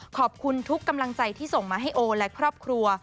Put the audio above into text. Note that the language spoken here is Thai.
ขอบคุณทุกกำลังใจที่ส่งมาให้โอและครอบครัว